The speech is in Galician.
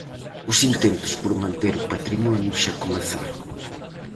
Os intentos por manter o patrimonio xa comezaron.